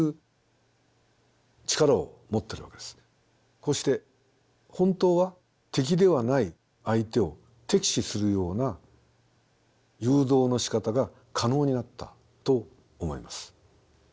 こうして本当は敵ではない相手を敵視するような誘導のしかたが可能になったと思います。